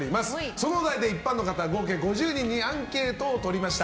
そのお題で一般の方合計５０人にアンケートをとりました。